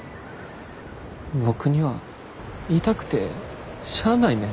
僕には痛くてしゃあないねん。